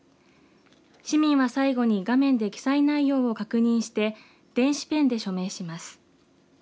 市民は最後に画面で記載内容を確認して電子ペンで署名します。